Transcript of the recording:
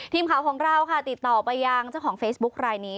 ทีมข่าวของเราค่ะติดต่อไปยังเจ้าของเฟซบุ๊ครายนี้